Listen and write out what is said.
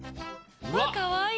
かわいい！